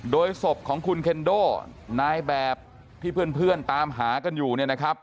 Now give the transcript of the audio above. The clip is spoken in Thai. โดยศพของคุณเคนโดนายแบบที่เพื่อนตามหากันอยู่เนี่ยนะครับ